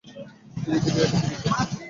TV থেকে এটা শিখেছি।